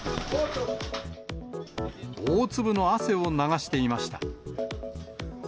大粒の汗を流していました。